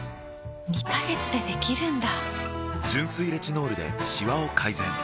２カ月でできるんだ！